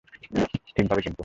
ঠিক ভাবে কিন্তু!